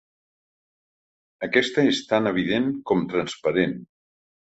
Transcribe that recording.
Aquesta és tan evident com transparent.